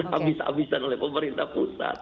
habis habisan oleh pemerintah pusat